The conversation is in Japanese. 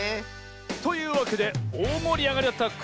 というわけでおおもりあがりだった「クイズのだ」